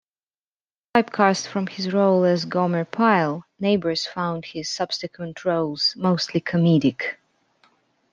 Typecast from his role as Gomer Pyle, Nabors found his subsequent roles mostly comedic.